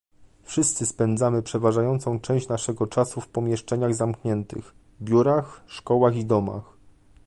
Wszyscy spędzamy przeważającą część naszego czasu w pomieszczeniach zamkniętych - biurach, szkołach i domach